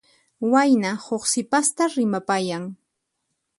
Wayna huk sipasta rimapayan.